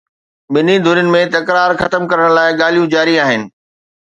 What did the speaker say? ٻنهي ڌرين ۾ تڪرار ختم ڪرڻ لاءِ ڳالهيون جاري آهن